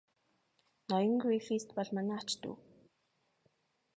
Ноён Грифитс бол манай ач дүү.